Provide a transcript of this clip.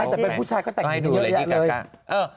แต่เป็นผู้ชายก็แต่งอินดูเยอะแยะเลย